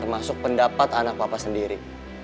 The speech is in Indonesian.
termasuk pendapat anak papa sendiri